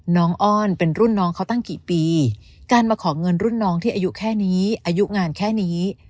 อ้อนเป็นรุ่นน้องเขาตั้งกี่ปีการมาขอเงินรุ่นน้องที่อายุแค่นี้อายุงานแค่นี้